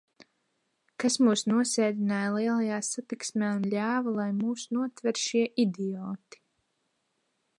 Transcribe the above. Kas mūs nosēdināja lielajā satiksmē un ļāva, lai mūs notver šie idioti?